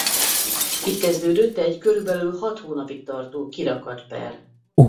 Itt kezdődött egy körülbelül hat hónapig tartó kirakat per.